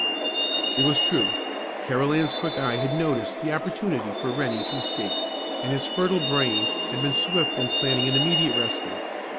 It was true. Carolan's quick eye had noticed the opportunity for Rennie to escape, and his fertile brain had been swift in planning an immediate rescue.